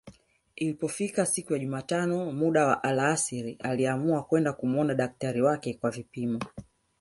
Ilipofika siku ya jumatano muda wa alasiri aliamua kwenda kumuona daktari wake kwa vipimo